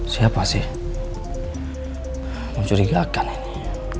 siapa sih mencurigakan ini